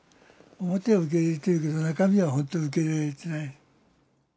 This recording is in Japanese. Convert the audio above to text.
表は受け入れているけど中身は本当は受け入れられてない。